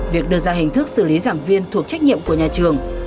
việc đưa ra hình thức xử lý giảng viên thuộc trách nhiệm của nhà trường